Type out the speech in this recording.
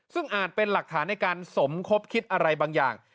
ซึ่งอาจเป็นหลักฐานในการสมคบคิดอะไรบางอย่าง